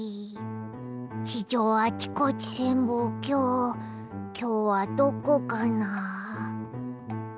地上あちこち潜望鏡きょうはどこかな？